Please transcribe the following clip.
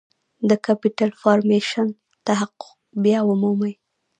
د Capital Formation تحقق باید ومومي.